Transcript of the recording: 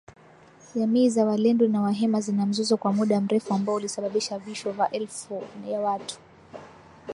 Jamii za walendu na wahema zina mzozo wa muda mrefu ambao ulisababisha vifo vya maelfu ya watu .